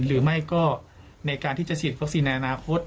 หรือไม่ก็ในการที่จะฉีดวัคซีนในอนาคต